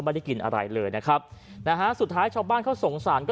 ไม่ได้กินอะไรเลยนะครับนะฮะสุดท้ายชาวบ้านเขาสงสารก็